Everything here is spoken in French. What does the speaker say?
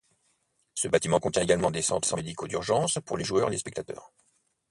Ce bâtiment contient également des centres médicaux d'urgence pour les joueurs et les spectateurs.